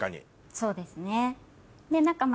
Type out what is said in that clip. そうですね。